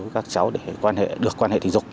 các cháu được quan hệ tình dục